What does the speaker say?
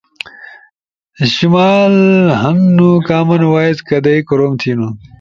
شمال ہننُو، کامن وائس کدئی کروم تھینُو؟